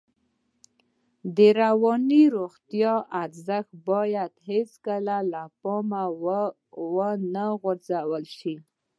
د رواني روغتیا ارزښت باید هېڅکله له پامه ونه غورځول شي.